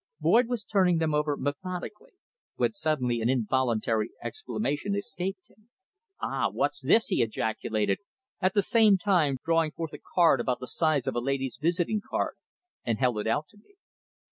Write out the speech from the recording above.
Boyd was turning them over methodically, when suddenly an involuntary exclamation escaped him. "Ah! What's this?" he ejaculated, at the same time drawing forth a card about the size of a lady's visiting card, and held it out to me.